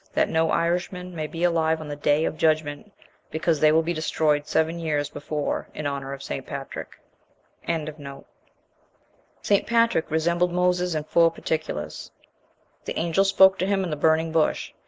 that no Irishman may be alive on the day of judgment, because they will be destroyed seven years before in honour of St. Patrick. 55. Saint Patrick resembled Moses in four particulars. The angel spoke to him in the burning bush.